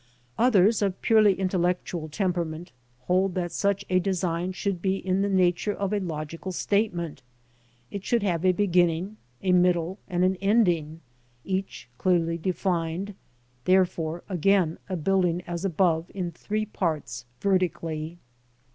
Others, of purely intellectual temperament, hold that such a de sign should be in the nature of a logical statement ; it should have a beginning, a middle, and an ending, each clearly defined, ŌĆö therefore again a building, as above, in three parts vertically.